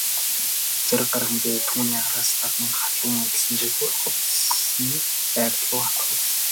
Зориг гарган би түүний араас даган халуун элсэн дээгүүр хувцасны байр руу алхав.